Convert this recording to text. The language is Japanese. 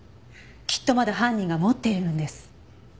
きっとまだ犯人が持っているんです。